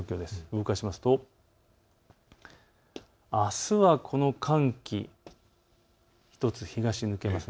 動かしますとあすはこの寒気、東へ抜けます。